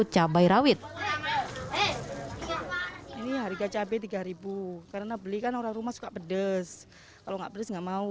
cabai rawit ini harga cabai tiga ribu karena belikan orang rumah suka pedes kalau nggak berisnya mau